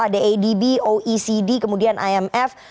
ada adb oecd kemudian imf